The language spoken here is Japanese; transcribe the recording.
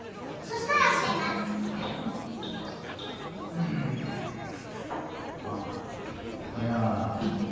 うーん。あっじゃあこれ。